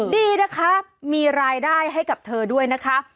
ดีนะคะมีรายได้ให้กับเธอด้วยนะคะ